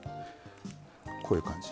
こういう感じ。